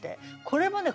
これもね